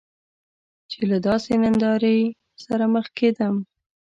چې له داسې نندارې سره مخ کیدم.